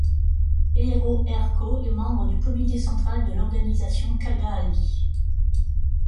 Eero Erkko est membre du comité central de l’organisation Kagaali.